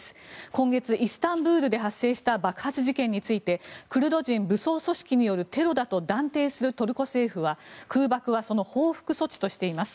今月イスタンブールで発生した爆発事件についてクルド人武装組織によるテロだと断定するトルコ政府は空爆はその報復措置としています。